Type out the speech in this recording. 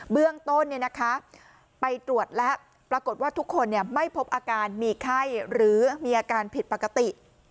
เบื้องต้นไปตรวจแล้วปรากฏว่าทุกคนไม่พบอาการมีไข้หรือมีอาการผิดปกติ